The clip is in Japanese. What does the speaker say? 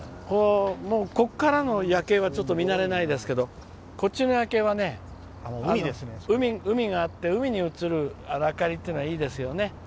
ここからの夜景は見慣れないですけどこっちの夜景は海があって海に映る明かりというのはいいですよね。